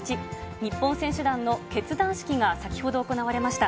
日本選手団の結団式が、先ほど行われました。